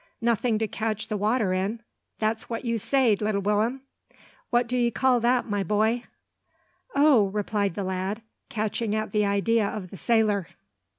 "Nothing to catch the water in? That's what you sayed, little Will'm? What do ye call that, my boy?" "Oh!" replied the lad, catching at the idea of the sailor.